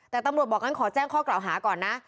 แต่ตำรวจบอกงั้นขอแจ้งข้อกล่าวหาก่อนนะ